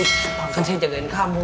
jangan jagain kamu